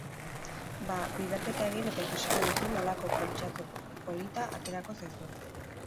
Ba, biderketa egin eta ikusiko duzu nolako poltsatxo polita aterako zaizun.